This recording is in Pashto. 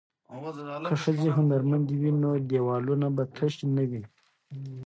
که ښځې هنرمندې وي نو دیوالونه به تش نه وي.